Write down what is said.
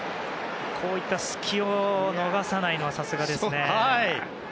こういった隙を逃さないのはさすがですね。